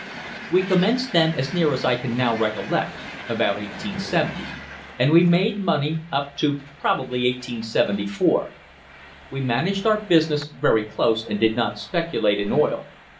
We commenced then, as near as I can now recollect, about 1870, and we made money up to probably 1874. We managed our business very close and did not speculate in oil.